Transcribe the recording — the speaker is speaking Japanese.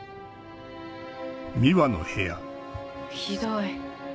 ひどい。